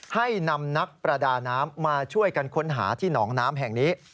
ให้นำนักประดาน้ำมาช่วยกันค้นหาที่หนองน้ำแห่งนี้